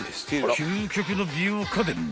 ［究極の美容家電